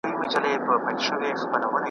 محتسب به رنځ وهلی په حجره کي پروت بیمار وي `